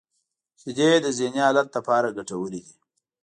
• شیدې د ذهنی حالت لپاره ګټورې دي.